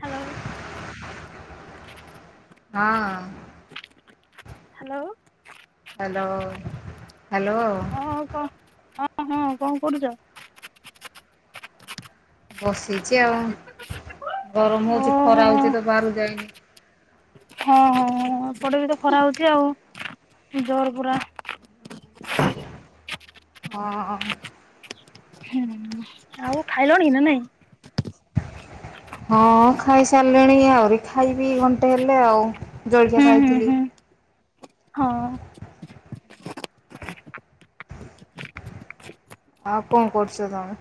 Hello ହଁ hello hello hello ହଁ କ ହଁ ହଁ କଣ କରୁଛ? ବସିଛି ଆଉ ଗରମ ହଉଛି ଓହୋ ଖରା ହଉଛି ତ ବାହାରୁ ଯାଇନି। ହଁ ହଁ ହଁ ଏପଟେ ବି ତ ଖରା ହଉଛି ଆଉ ଜୋର ପୁରା। ହଁ। ହୁଁ ଆଉ ଖାଇଲଣି ନା ନାଇଁ। ହଁ ଖାଇସାରିଲିଣି ଆହୁରି ଖାଇବି ଘଣ୍ଟେ ହେଲେ ଆଉ ଜଳିକିଆ ହୁଁ ହୁଁ ଖାଇଥିଲି। ହୁଁ ହଁ। ଆଉ କଁ କରୁଚ ତମେ?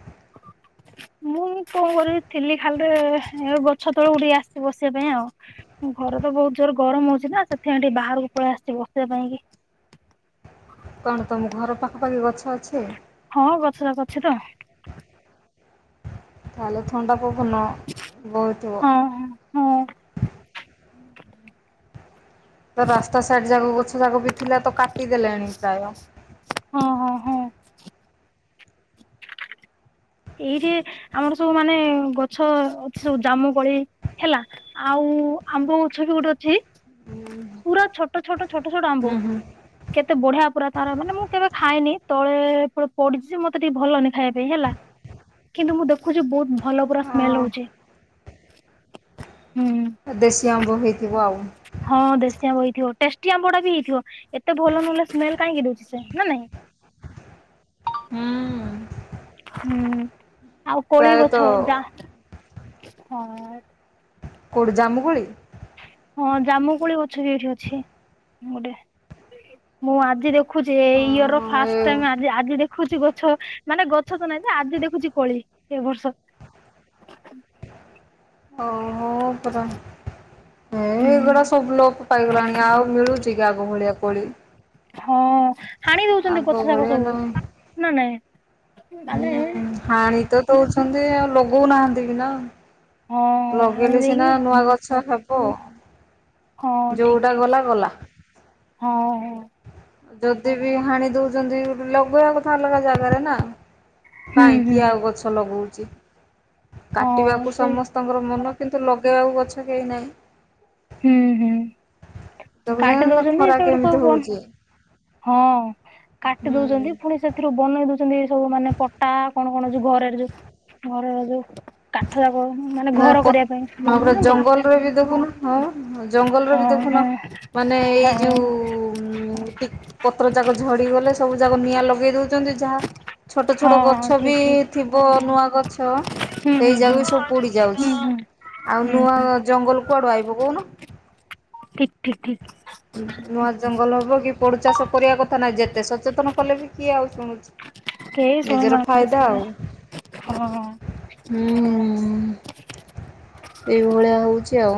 ମୁଁ କଣ କରିବି ଥିଲି ଖାଲିରେ ଗଛ ତଳକୁଡିକ ଆସି ବସିବା ପାଇଁ ଆଉ। ଘରେ ତ ବହୁତ ଜୋର ଗରମ ହଉଛିି ନା ସେଥିଇଁ ଟିକି ବାହାରକୁ ପଳେଇ ଆସିଛି ବସିବା ପାଇଁ କି। କଣ ତମ ଘର ପାଖାପାଖି ଗଛ ଅଛି? ହଁ ଗଛଟ ଅଛି ତ। ତାହେଲେ ଥଣ୍ଡା ପବନ ବୋଉଥିବା। ହଁ ହଁ ହଁ ତ ରାସ୍ତା ସାଇଡ ଯାକୁ ଗଛ ଯାକୁ ବି ଥିଲା ତ କାଟିଦେଲେଣି ପ୍ରାୟ। ହଁ ହଁ ହଁ। ଏଇଠି ଆମର ସବୁ ମାନେ ଗଛ ଅଛି ସବୁ ଜାମୁ କଳି ହେଲା। ଆଉଁ ଆମ୍ବ ଗଛ ବି ଗୋଟେ ଅଛି। ପୁରା ଛୋଟ ଛୋଟ ଛୋଟ ଛୋଟ ଆମ୍ବ। ହୁଁ ହୁଁ କେତେ ବଢିଆ ପୁରା ତାର ମାନେ ମୁଁ କେବେ ଖାଇନି ତଳେ ପଡିଛି ମତେ ଟିକେ ଭଲନି ଖାଇଆ ପାଇଁ ହେଲା। କିନ୍ତୁ ମୁଁ ଦେଖୁଛି ବହୁତ ଭଲ ପୁରା ସ୍ମେଲ ହଉଛି ହଁ ହୁଁ। ଦେଶି ଆମ୍ବ ହେଇଥି ବାଉ। ହଁ ଦେଶୀ ଆମ୍ବ ହେଇଥିବ ଟେଷ୍ଟି ଆମ୍ବ ଟା ବି ହେଇଥିବ ଏତେ ଭଲ ନହଲେ ସ୍ମେଲ କାହିଁକି ଦଉଛିି ସେ ନା ନାଇଁ। ହୁଁ। ହୁଁ ଆଉ କୋଳି ପ୍ରାୟତଃ ଗଛଉଡା ହଁ। କୋଉଠି ଜାମୁକୁୁଳି? ହଁ ଜାମୁକୁଳି ଗଛ ବି ଏଇଠି ଅଛି ଗୋଟେ। ମୁଁ ଆଜି ଦେଖୁଛି ଏଇ ଇର ର ହଁ ଏ ଫାଷ୍ଟ ଟାଇ ଆଜି ଆଜି ଦେଖୁଛି ଗଛ। ମାନେ ଗଛ ତ ନହିଁ ଯେ ଆଜି ଦେଖୁଛି କୋଳି ଏ ବର୍ଷ। ଓ ପୁର। ଏଁ ଏଇଗୁଡା ହୁଁ। ସବୁ ଲୋପ ପାଇଗଲାଣି ଆଉ ମିଳୁଛି କି ଆଗ ଭଳିଆ କୋଳି। ହଁ ହାଣି ଦଉଛନ୍ତି ଆଗ ଗଛ ଶାଗ ଭଳିଆ ସବୁ ନାଇଁ ନା ନାଇଁ। ମାନେ ହୁଁ ହାଣି ତ ଦଉଛନ୍ତି ଆଉ ଲଗଉନାହାନ୍ତି ବି ନା। ହଁ ହାଣି ଲଗେଇଲେ ସିନା ଦେଇକି ନୂଆ ଗଛ ହବ। ହଁ ଠିକ ଯୋଉଟା ଠିକ ଗଲା ଗଲା। ହଁ। ଯଦି ବି ହାଣି ଦଉଛନ୍ତି ଗୋଟେ ଲଗେଇବା କଥା ଅଲଗା ଜାଗାରେ ନା। ହୁଁ ହୁଁ। କାହିଁକି ଆଉ ଗଛ ଲଗଉଛି? ହଁ କାଟିବାକୁ ସେ ସମସ୍ତଙ୍କର ମନ କିନ୍ତୁ ଲଗେଇବାକୁ ଗଛ କେହି ନାହିଁ। ହୁଁ ହୁଁ କାଟି ଦେଖୁଛନ୍ତି ନା ଦଉଛନ୍ତି ଖରା ସେତେବେଟେ କେମିତି ସବୁ କଣ ହଉଛି ହଁ କାଟି ହୁଁ ଦଉଛନ୍ତି ସେଥିରୁ ବନେଇ ଦଉଛନ୍ତି ସବୁ ମାନେ ପଟା କଣ କଣ ଯୋଉ ଘରେରେ ଯୋଉ ଘରର ଯୋଉ କାଠ ଯାକ ମାନେ ଘର କରିବା ପାଇଁ ପ ବନଉନାହାନ୍ତି ଜଙ୍ଗଲରେ ବି ଦେଖୁନ ହଁ ଜଙ୍ଗଲରେ ବି ହଁ ହଁ। ଦେଖୁନ। ମାନେ ଏଇ ହଁ ଯୋଉ ଟିକ ପତ୍ର ଯାକ ଝଡ଼ିଗଲେ ସବୁ ଯାକ ନିଆଁ ଲଗେଇ ଦେଉଛନ୍ତି ଯାହା ଛୋଟ ଛୋଟ ହଁ ଗଛ ବି ଠିକ ଥିବ ନୂଆ ଗଛ। ଠିକ ହୁଁ ସେଇ ହୁଁ ଜାଗକୁ ବି ସବୁ ପୋଡ଼ିଯାଉଛି ହୁଁ ହୁଁ ହୁଁ ଆଉ ନୂଆ ହୁଁ ଜଙ୍ଗଲ କୁଆଡ଼ୁ ଆଇବ କହୁନ। ଠିକ ଠିକ ଠିକ। ନୂଆ ଜଙ୍ଗଲ ହବ କି ପୋଡୁ ଚାଷ କରିବା କଥା ନାହିଁ ଯେତେ ସତ ଚେତନ କଲେ ବି କିଏ ଆଉ ଶୁଣୁଛି? ନିଜର ଫାଇଦା ଆଉ [unintelligible] ହୁଁ ଏଇଭଳିଆ ହଉଛି ଆଉ।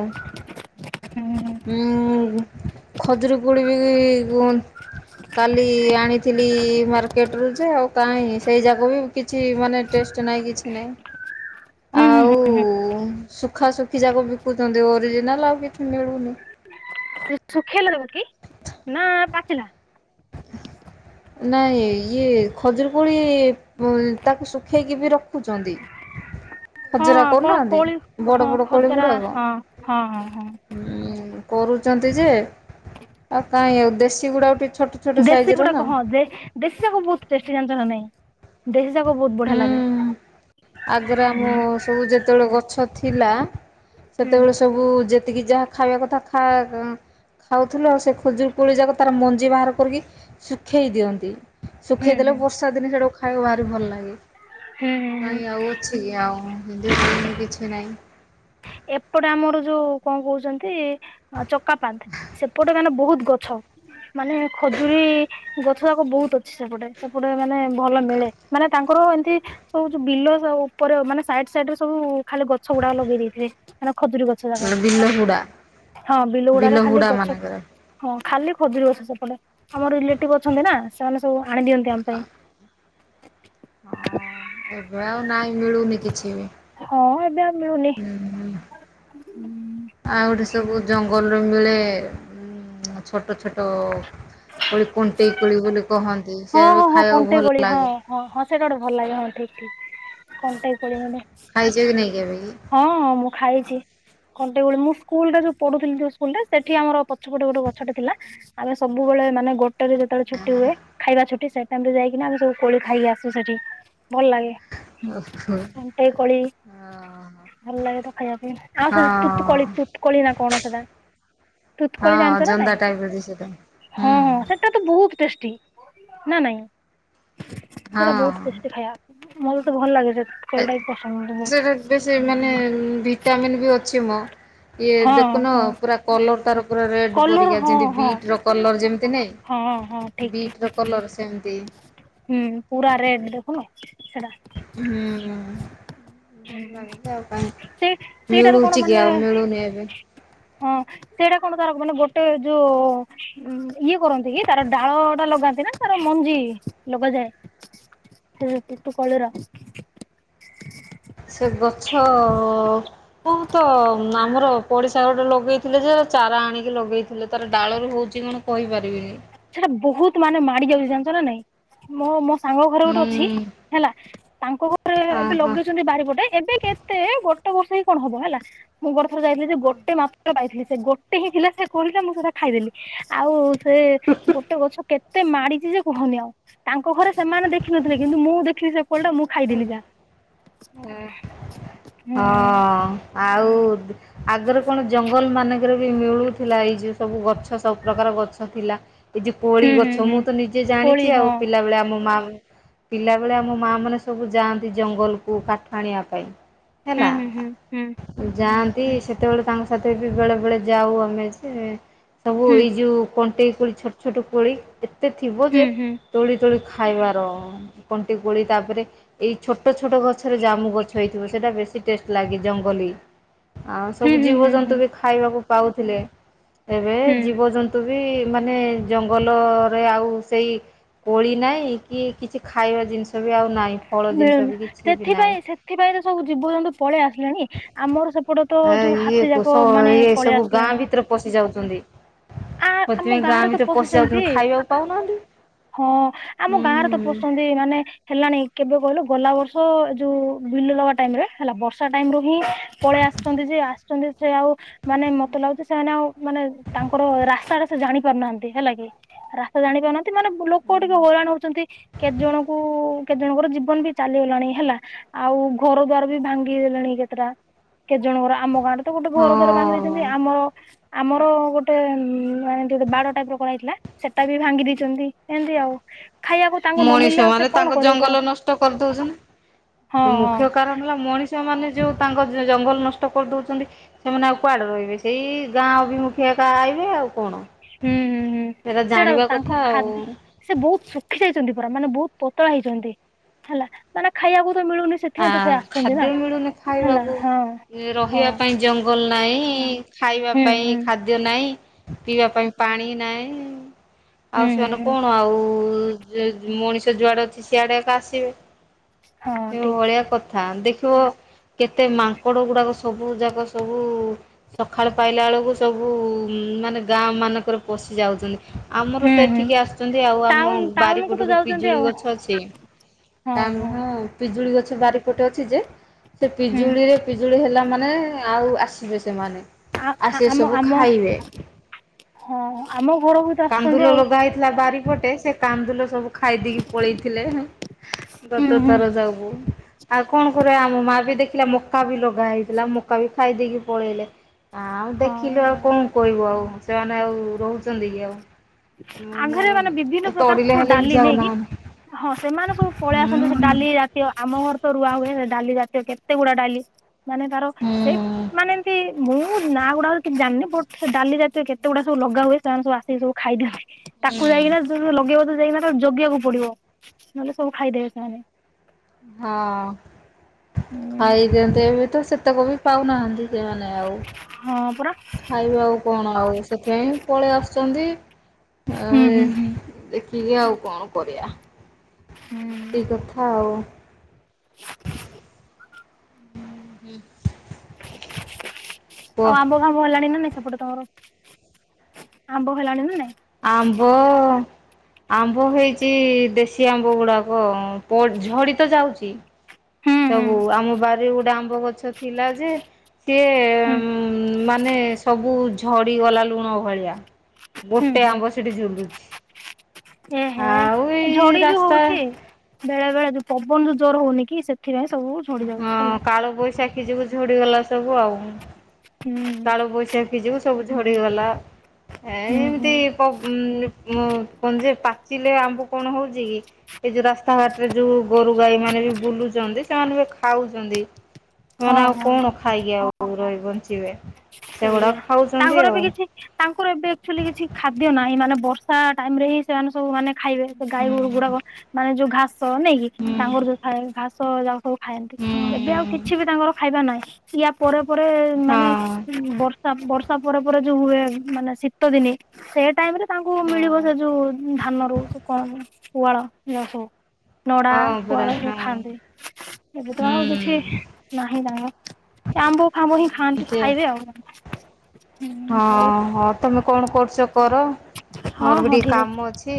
ହୁଁ ହୁଁ ଉଁ ଖଜୁରୀ କୋଳି ବି [unintelligible] କାଲି ଆଣିଥିଲି ମାର୍କେଟ ରୁ ଆଉ କାଇଁ ସେଇ ଯାକ ବି କିଛି ମାନେ ଟେଷ୍ଟ ନାଇଁ କିଛି ନାଇଁ। ଆଉ ହୁଁ ହୁଁ ଶୁଖା ଶୁଖି ଯାକ ବିକୁଛନ୍ତି ଓରିଜିନାଲ ଆଉ କି ମିଳୁନି। ଶୁଖିଲା କି ନା ପାଚିଲା? ନାଇଁ ଇଏ ଖଜୁରୀ କୋଳି ତାକୁ ଶୁଖେଇକି ବି ରଖୁଛନ୍ତି। ହଁ [unintelligible] କଣ କରୁନାହାନ୍ତି କୋଳି ବଡ଼ ହଁ ବଡ଼ କୋଳି ଖଦରା ଗୁଡ଼ାକ। ହଁ ହଁ ହଁ ହଁ କରୁଛନ୍ତି ଯେ, ଆଉ କାହିଁ ଆଉ ଦେଶୀ ଗୁଡ଼ା ଟିକେ ଛୋଟ ଛୋଟ ଦେଶୀ ସାଇଜର ନା ଗୁଡ଼ାକ ହଁ ଦେଶୀ ଯାକ ବହୁତ ଟେଷ୍ଟି ଜାଣିଛ ନା ନାଇଁ ଦେଶୀ ଯାକ ବହୁତ ବଢ଼ିଆ ଲାଗେ। ହୁଁ। ଆଗରେ ଆମ ହୁଁ ସବୁ ଯେତେବେଳେ ଗଛ ଥିଲା ହୁଁ ସେତେବେଳେ ସବୁ ଯେତିକି ଯାହା ଖାଇବା କଥା ଖା ଖାଉଥିଲୁ ଆଉ ସେ ଖଜୁର କୋଳି ଯାକ ତାର ମଞ୍ଜି ବାହାର କରିକି ଶୁଖେଇ ଦିଅନ୍ତି। ହୁଁ ଶୁଖେଇ ହୁଁ ଦେଲେ ବର୍ଷା ଦିନେ ସେଟାକୁ ଖାଇବାକୁ ଭାରି ଭଲ ଲାଗେ। ହୁଁ ହୁଁ ନାଇଁ ଆଉ ଅଛି କି ଆଉ [unintelligible] କିଛି ନାଇଁ। ଏପଟେ ଆମର ଯୋଉ କଣ କହୁଛନ୍ତି ଚକା ପାନ୍ଥ ସେପଟେ କାଇଁକିନା ବହୁତ ଗଛ ମାନେ ଖଜୁରୀ ଗଛ ଯାକ ବହୁତ ଅଛି ସେପଟେ। ସେପଟେ ମାନେ ଭଲ ମିଳେ। ମାନେ ତାଙ୍କର ଏମିତି ସବୁ ଯୋଉ ବିଲ ଉପରେ ମାନେ ସାଇଡ଼ ସାଇଡ଼ରେ ସବୁ ଖାଲି ଗଛ ଗୁଡ଼ାକ ଲଗେଇ ଦେଇଥିଲେ ମାନେ ଖଜୁରୀ ଗ ଛ ଯାକ। ବିଲ ହୁଡ଼ା ହଁ ବିଲ ଗୁଡ଼ାରେ ଖାଲି ହୁଡ଼ା ଗଛ ମାନଙ୍କରେ ହଁ ଖାଲି ଖଜୁରୀ ଗଛ ସେପଟେ। ଆମର ରିଲେଟିଭ ଅଛନ୍ତି ନା ମାନେ ସବୁ ଆଣି ଦିଅନ୍ତି ଆମ ପାଇଁ। ହଁ ଏବେ ଆଉ ନାଇଁ ମିଳୁନି କିଛି ବି। ହଁ ଏବେ ଆଉ ମିଳୁନି। ଆଉ ଗୋଟେ ସବୁ ଜଙ୍ଗଲରୁ ମିଳେ। ଛୋଟ ଛୋଟ କୋଳି କଣ୍ଟେଇ କୋଳି ବୋଲି କହନ୍ତି। ହଁ ସେଟା ହଁ ବି ହଁ ଖାଇବାକୁ କଣ୍ଟେଇ ଭଲ କୋଳି ହଁ ଲାଗେ। ହଁ ହଁ ସେଇଟା ଗୋଟେ ଭଲ ଲାଗେ ହଁ ଠିକ ଠିକ କଣ୍ଟେଇ କୋଳି ଗୋଟେ। ଖାଇଛ କି ନାଇଁ କେବେ କି? ହଁ ମୁଁ ଖାଇଚି। କଣ୍ଟେଇ କୋଳି ମୁଁ ସ୍କୁଲ ରେ ଯୋଉ ପଢ଼ୁଥିଲି ଯୋଉ ସ୍କୁଲରେ, ସେଠି ଆମ ପଛପଟେ ଗୋଟେ ଗଛଟେ ଥିଲା। ଆମେ ସବୁବେଳେ ମାନେ ଗୋଟେ ଟେରେ ଯେତେବେଳେ ଛୁଟି ହୁଏ ଖାଇବା ଛୁଟି, ସେ ଟାଇମ ରେ ଯାଇକି ଆମେ ସବୁ କୋଳି ଖାଇକ ଆସୁ ସେଠି ଭଲ ଲାଗେ। ହଁ କଣ୍ଟେଇ କୋଳି ହଁ। ଭଲ ଲାଗେ ସେଟା ଖାଇବା ପାଇଁ। ଆଉ ସେ ତୁତକୋଳି ତୁତକୋଳି ନା କଣ ସେଟା। ତୁତୁ ହଁ କୋଳି ଜାଣିଛ ନା ନାଇଁ ଜନ୍ଦା ଟାଇପ ର ଯୋଉ ସେଟା। ହୁଁ ହଁ ହଁ ସେଟା ତ ବହୁତ ଟେଷ୍ଟି ନା ନାଇଁ? ସେଟା ହଁ ବହୁତ ଟେଷ୍ଟି। ସେ ଖାଇବା ମୋତେ ତ ଭଲ ଲାଗେ ସେ କୋଳି ଟା ବି ପସନ୍ଦ ମତେ ସେଟା ବହୁତ। ବେଶୀ ମାନେ ଭିଟାମିନ୍ ବି ଅଛି ମ ଇଏ ହଁ ଦେଖୁନ ହଁ ପୁରା କଲର ତାର ପୁରା ରେଡ୍ କଲର ପରିକା। ହଁ ଯେମତି ହଁ। ବିଟ ର କଲର ଯେମିତି ନାଇଁ ହଁ ହଁ ଠିକ ଠିକ ବିଟ ର କଲର ସେମିତି। ହୁଁ ପୁରା ରେଡ୍ ଦେଖନ ସେଟା। ହୁଁ ହଁ, ଆଉ କାଇଁ ସେ ସେଇଟାରୁ କଣ ମିଳୁଛି କି ମାନେ ଆଉ ମିଳୁନି ଏବେ। ହଁ ସେଇଟା କଣ ତାର ମାନେ ଗୋଟେ ଯୋଉ ଉଁ ଇଏ କରନ୍ତି କି, ତାର ଡାଳ ଟା ଲଗାନ୍ତି ନା ତାର ମଞ୍ଜି ଲଗାଯାଏ। ସେ ତୁତ କୋଳି ର। ସେ ଗଛ ମୁଁ ତ ଆମର ପଡ଼ିଶାଘର ଗୋଟେ ଲଗେଇଥିଲେ ଯେ ଚାରା ଆଣିକି ଲଗେଇଥିଲେ ତାର ଡାଳରୁ ହଉଛି କି କଣ ପଇପାରିବିନି। ସେଟା ବୋହୁତ ମାନେ ମାଡି ଯାଉଚି ଜାଣିଛ ନା ନାଇଁ। ମୋ ମୋ ସାଙ୍ଗ ଘରେ ଗୋଟେ ଅଛି ହୁଁ ହେଲା ତାଙ୍କ ଘରେ ଏବେ ଅହ ଲଗେଇଚନ୍ତି ବାଡିପଟେ ଏବେ କେତେ ଗୋଟେ ବର୍ଷ ହିଁ କଣ ହବ ହେଲା। ମୁଁ ବଡ ଥର ଯାଇଥିଲି ଯେ ଗୋଟେ ମାତ୍ର ପାଇଥିଲି ସେ ଗୋଟେ ହିଁ ଥିଲା ସେ କୋଳି ଟା ମୁଁ ସେଟା ଖାଇଦେଲି। ଆଉ ସେ ଗୋଟେ ଗଛ କେତେ ମାଡିଚି ଯେ କୁହନି ଆଉ ତାଙ୍କ ଘରେ ସେମାନେ ଦେଖିନଥିଲେ କିନ୍ତୁ ମୁଁ ଦେଖିଲି ସେ କୋଳିଟା ମୁଁ ଖାଇଦେଲି। ଯା ହୁଁ ହଁ ଆଉ ଆଗରେ କଣ ଜଙ୍ଗଲ ମାନଙ୍କରେ ବି ମିଳୁଥିଲା ଏଇ ଯୋଉ ସବୁ ଗଛ ସବୁ ପ୍ରକାର ଗଛ ଥିଲା। ଏ ଯୋ କୋଳି ହୁଁ ହୁଁ ଗଛ ହୁଁ ମୁଁ ତ ନିଜେ କୋଳି ଜାଣିଚି ହଁ ଆଉ ପିଲାବେଳେ ଆମ ମା ପିଲାବେଳେ ଆମ ମାଆ ମାନେ ସବୁ ଯାଆନ୍ତି ଜଙ୍ଗଲକୁ କାଠ ଆଣିବା ପାଇଁ। ହୁଁ ହେଲା। ହୁଁ ଯାଆନ୍ତି। ସେତେବେଳେ ତାଙ୍କ ସାଥିରେ ବି ବେଳେ ବେଳେ ଯାଉ ଆମେ ଯେ ସବୁ ହୁଁ ଏଇ ଯୋଉ କଣ୍ଟେଇ କୋଳି ଛୋଟ ଛୋଟ କୋଳି ଏତେ ଥିବ ଯେ ହୁଁ ହୁଁ ତୋଳି ତୋଳି ଖାଇବାର କଣ୍ଟି କୋଳି ତାପରେ ଏଇ ଛୋଟ ଛୋଟ ଗଛରେ ଜାମୁ ଗଛ ହେଇଥିବ ସେଇଟା ବେଶ ଶି ଟେଷ୍ଟ୍ ଲାଗେ ଜଙ୍ଗଲୀ ଆଉ ହୁଁ ସବୁ ହୁଁ ହୁଁ ହୁଁ ଜୀବଜନ୍ତୁ ହୁଁ ବି ଖାଇବାକୁ ପାଉଥିଲେ। ଏବେ ହୁଁ ହୁଁ ଜୀବଜନ୍ତୁ ବି ମାନେ ଜଙ୍ଗଲରେ ଆଉ ସେଇ କୋଳି ନାଇଁ କି କିଛି ଖାଇବା ଜିନିଷ ବି ଆଉ ନାହିଁ। ଫଳ ଜିନିଷ ମିଳୁନି ବି କିଛି ବି ନାହିଁ। ସେଥିପାଇଁ ସେଥିପାଇଁ ତ ସବୁ ଜୀବଜନ୍ତୁ ପଳେଇ ଆସିଲେଣି। ଆମର ସେପଟ ତ ଯୋଉ ଇଏ ହାତୀ ସ ଯାକ ମାନେ ଇଏ ପଳେଇ ସବୁ ଗାଁ ଆସିଲେଣି। ଭିତରେ ପଶି ଯାଉଚନ୍ତି ଆ ଆମ ପତି ଗାଁ ଗାଁରେ ତ ଭିତରେ ପଶି ଯାଉଛନ୍ତି ପଶିଛନ୍ତି। ଖାଇବାକୁ ପାଉନାହାନ୍ତି। ହଁ ଆମ ଗାଁରେ ତ ହୁଁ ପସନ୍ତି ମାନେ ହେଲାଣି କେବେ କହିଲୁ ଗଲା ବର୍ଷ ଏ ଯୋଉ ବିଲ ଲୋଗା ଟାଇମ୍ ରେ ହେଲା ବର୍ଷ ର୍ଷା ଟାଇମ୍ ରୁ ହିଁ ପଳେଇ ଆସିଚନ୍ତି ଯେ ଆସିଚନ୍ତି ସେ ଆଉ ମାନେ ମତେ ଲାଗୁଚି ସେମାନେ ଆଉ ମାନେ ତାଙ୍କର ରାସ୍ତା ଟା ସେ ଜାଣି ପାରୁନାହାନ୍ତି ହେଲା କି। ରା ଜାଣି ପାରୁନାହାନ୍ତି ମାନେ ଲୋକ ଟିକେ ହଇରାଣ ହୋଉଚନ୍ତି। କେତେ ଜଣଙ୍କୁ କେତେ ଜଣଙ୍କର ଜୀବନ ବି ଚାଲିଗଲାଣି ହେଲା। ଆଉ ଘର ଦ୍ୱାର ବି ଭାଙ୍ଗିଦେଲାଣି କେତେଟା। କେତେ ଜଣଙ୍କର ଆମ ଗାଁରେ ତ ଗୋଟେ ଘର ଦ୍ଵାର ଭାଙ୍ଗି ହଁ ଦେଇଚନ୍ତି। ଆମର ଆମର ଗୋଟ ଟେ ମାନେ ଟିକେ ଟିକେ ବାଡ ଟାଇପ୍ ର କରା ହେଥିଲା। ସେଟା ବି ଭାଙ୍ଗି ଦେଇଚନ୍ତି। ଏମିତି ଆଉ ଖାଇବାକୁ ତାଙ୍କୁ ମଣିଷ ନମଳିଲେ ଆଉ ମାନେ ସେ ତାଙ୍କ କଣ କରିବେ କୁହ। ଜଙ୍ଗଲ ନଷ୍ଟ ହଁ ହଁ ମୁ କାରଣ ହେଲା ମଣିଷମାନେ ଯେଉଁ ତାଙ୍କ ଜଙ୍ଗଲ ନଷ୍ଟ କରିଦେଉଚନ୍ତି ସେମାନେ ଆଉ କୁଆଡେ ରହିବେ ସେଇ ଗାଁ ଅଭିମୁଖେ ଏକା ଆଇବେ ଆଉ କଣ। ହୁଁ ହୁଁ ହୁଁ ସେରା ସେଇଟା ଜାଣିବା ତାଙ୍କ କଥା ଆଉ। ଖାଦ୍ୟ ସେ ବହୁତ ଶୁଖି ଆଇଚନ୍ତି ପୁରା ମାନେ ବହୁତ ପତଳା ହେଇଚନ୍ତି ହେଲା। ମାନେ ଖାଇବାକୁ ତ ମିଳୁନି ଆ ସେଥିପାଇଁ ତ ସେ ଆସୁଛନ୍ତି ନା ଖାଦ୍ୟ ମିଳୁନି ହେଲା ଖାଇବାକୁ ହଁ ହଁ ରହିବା ପାଇଁ ଜଙ୍ଗ୍ ଙ୍ଗଲ ନାହିଁ। ଖାଇବା ହୁଁ ପାଇଁ ହୁଁ ଖାଦ୍ ଦ୍ୟ ନାଇଁ ପିଇବା ପାଇଁ ପାଣି ନାଇଁ ହୁଁ ଆଉ ହୁଁ ସେମାନେ ହୁଁ କଣ ଆଉ ଯେଯ ମଣିଷ ଯୁଆଡ଼େ ଅଛି ସିଆଡ଼େ ଏକା ଆସିବେ। ହଁ ଏ ଠିକ ଭଳିଆ କଥା। ଦେଖିବ କେତେ ମାଙ୍କଡ଼ ଗୁଡ଼ାକ ସବୁ ଯାକ ସବୁ ସକାଳୁ ପାଇଲା ବେଳକୁ ସବୁ ମାନେ ଗାଁ ମାନଙ୍କରେ ପଶି ଯାଉଚନ୍ତି। ଆମର ହୁଁ ତ ହୁଁ ଏଠିକି ଆସୁଚନ୍ତି ଆଉ ଟାଉନ ଆମ ଟାଉନ କୁ ବାରିପଟ ତ ଗୋଟେ ଯାଉଛନ୍ତି ପିଜୁଳି ଆଉ ଗଛ ଅଛି। ହଁ ତା ହଁ ମୁହଁ ପିଜୁଳି ଗଛ ବାରିପଟେ ଅଛି ଯେ। ସେ ହୁଁ ପିଜୁଳିରେ ପିଜୁଳି ହେଲା ମାନେ ଆଉ ଆସ ଆସିବେ ସେମାନେ ଆ ଆସିବକି ଆମ ସବୁ ଆମ ଖାଇବେ। ହଁ ଆମ ଘର ବି କାନ୍ଦୁଲ ଲଗା ହେଇଥିଲା ବାରିପଟେ ସେ କାନ୍ଦୁଲ ସବୁ ଖାଇ ଦେଇକି ପଳେଇଥିଲେ। ହୁଁ ଦତ ହୁଁ। ଥର ସବୁ। ଆଉ କଣ କରା ଆମ ମା ବି ଦେଖିଲା ମକା ବି ଲଗା ହେଇଥିଲା। ମୋକା ବି ଖାଇଦେଇକି ପଳେଇଲେ। ଆଉ ହଁ ଦେଖିଲୁ ଆଉ କଣ କହିବୁ ଆଉ ସେମାନେ ଆଉ ରହୁଛନ୍ତି କି ଆଉ। ମୁଁ ଆଘରେ ମାନେ ବିଭିନ୍ନ ପ୍ରକାର ତଡ଼ିଲେ ସବୁ ହେଲେ ବି ଡାଲି ନେଇକି ଯାଉନା ଆମେ। ହଁ ସେମାନେ ସବୁ ପଳେଇ ଆସନ୍ତୁ ସେ ଡାଲି ରା ଆମ ଘର ତ ରୁଆ ହୁଏ ଡାଲି ଜାତୀୟ କେତେ ଗୁଡା ଡାଲି ମାନେ ତାର ସେଇ ମାନେ ଏମିତି ମୁଁ ନା ଗୁଡ଼ାକ କିଛି ଜାଣିନି ବଟ ସେ ଡାଲି ଜାତୀୟ କେତେ ଗୁଡ଼ା ସବୁ ଲଗାହୁଏ ସେମାନେ ସବୁ ଆସିକି ସବୁ ଖାଇ ଦିଅନ୍ତି। ତାକୁ ଯାଇକିନା ଯ ଲଗେଇବ ତ ଯାଇକିନା ତାକୁ ଜଗିବାକୁ ପଡିବ ନହେଲେ ସବୁ ଖାଇଦେବେ ସେମାନେ। ହଁ ଖାଇଦିଅନ୍ତ ଏବେ ତ ସେତକ ବି ପାଉନାହାନ୍ତି। [unintelligible] ଆଉ। ହଁ ପରା। ଖାଇବା ଆଉ କଣ ଆଉ ସେଥିପାଇଁ ପଳେଇ ଆସୁଛନ୍ତି ହୁଁ ଏଇ ହୁଁ ହୁଁ। ଟିକେ ଆଉ କଣ କରିବା। ହୁଁ ତିକି କଥା ଆଉ। କୁହ ଆଉ ଆମ୍ବ ଆମ୍ବ ହେଲାଣି ନା ନାଇଁ ସେପଟେ ତମର ଆମ୍ବ ହେଲାଣି ନା ନାଇଁ? ଆମ୍ବ ଆମ୍ବ ହେଇଛି ଦେଶୀ ଆମ୍ବ ଗୁଡାକ ଝଡିିତ ଯାଉଛି। ହୁଁ ହୁଁ ସବୁ ଆମ ବାରିରେ ଗୋଟେ ଆମ୍ବ ଗଛ ଥିଲା ଯେ ହୁଁ। ସିଏ ମାନେ ସବୁ ଝଡିଗଲା ଲୁଣ ଭଳିଆ ହୁଁ ଗୋଟେ ହୁଁ ଆମ୍ବ ସେଠି ଝୁଲୁଛି ଏ ହେ ଆଉ ଏଇ ରାସ୍ତା ବେଳେବେଳେ ଯୋଉଁ ପବନ ବି ଯୋଉଁ ଜୋର ହଉନି କି ସେଥିପାଇଁ ସବୁ ଝଡି ହଁ ଯାଉଛି ହେଲା। କାଳବୈଶାଖୀ ଯୋଗୁଁ ଝଡିଗଲା ସବୁ ଆଉ। ହୁଁ। କାଳବୈଶାଖୀ ଯୋଗୁଁ ସବୁ ଝଡିଗଲା ଏ ହୁଁ ଏମିତି ହୁଁ [unintelligible] କଣ ଯେ ପାଚିଲେ ଆମ୍ବ କଣ ହଉଛି କି ଏଇ ଯୋଉଁ ରାସ୍ତାଘାଟ ରେ ଯୋଉଁ ଗୋରୁ ଗାଈ ମାନେ ବି ବୁଲୁଛନ୍ତି ସେମାନେ ବି ଖାଉଛନ୍ତି। ହଁ ସେମାନେେ ଆଉ ହଁ ଠିକ କଣ ଖାଇକି ଆଉ ରହି ବଞ୍ଚିବେ। ସେଗୁଡା ସେଇଆ ଖାଉଛନ୍ତି ତାଙ୍କର ଆଉ। ବି କିଛି ତାଙ୍କର ଏବେ ଏକଚୁଲି କିଛି ଖାଦ୍ୟ ନାହିଁ ମାନେ ବର୍ଷା ଟାଇମ ରେ ହିଁ ସେମାନେ ସବୁ ମାନେ ଖାଇବେ ସେ ଗାଈ ହୁଁ ଗୋରୁ ଗୁଡାକ ମାନେ ଯୋଉଁ ଘାସ ନାଇଁକି ତାଙ୍କର ଯୋଉଁ ଥାଏ ଘାସ ଯାକ ସବୁ ଖାଆନ୍ତି ଏବେ ଆଉ ହୁଁ କିଛି ବି ତାଙ୍କର ଖାଇବା ନାହିଁ ଇୟା ପରେ ପରେ ମାନେ ହଁ ବର୍ଷା ବର୍ଷା ପରେ ପରେ ଯୋଉଁ ହୁଏ ମାନେ ଶୀତ ଦିନେ ସେ ଟାଇମରେ ତାଙ୍କୁ ହଁ ମିଳିବ ସେ ଯୋଉଁ ଧାନ ରୁ କଣ ପୁଆଳ [unintelligible] ନଡା ହଁ ପୁଆଳ ପରା ସବୁ ହଁ। ଖାଆନ୍ତି ଏବେ ତ ଆଉ କିଛି ହୁଁ ନାହିଁ [unintelligible] ଆମ୍ବ ଆମ୍ବ ହିଁ ଖାଆନ୍ତି ସେ ଖାଇବେ ଆଉ ଉଁ ହଉ। ହଁ ହଁ ତମେ କଣ କରୁଛ କର ହଁ ମୋର ବି ହଁ ଟିକେ ଠିକ୍ କାମ ଅଛି।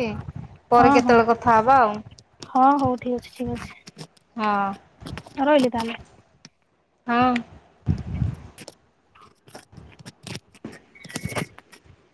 ହଁ ପରେ ହଁ କେତେବେଳେ କଥା ହେବା ଆଉ। ହଁ ହଉ ଠିକ ଅଛି ଠିକ ଅଛି। ହଁ। ରହିଲି ତାହାଲେ। ହଁ।